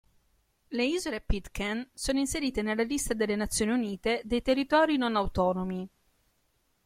Le isole Pitcairn sono inserite nella lista delle Nazioni Unite dei territori non autonomi.